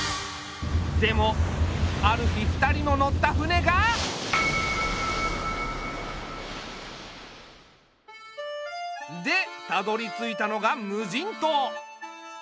でもある日２人の乗った船が。でたどりついたのが無人島。